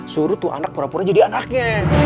suruh tuh anak pura pura jadi anaknya